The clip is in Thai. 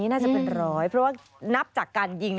น่าจะเป็นร้อยเพราะว่านับจากการยิง